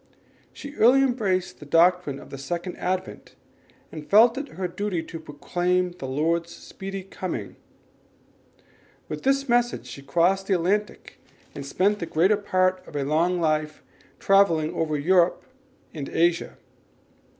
She early embraced the doctrine of the Second Advent, and felt it her duty to proclaim the Lord's speedy coming. With this message she crossed the Atlantic and spent the greater part of a long life in travelling over Europe and Asia.